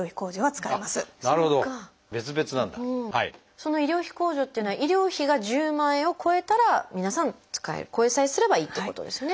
その医療費控除っていうのは医療費が１０万円を超えたら皆さん使える超えさえすればいいってことですね。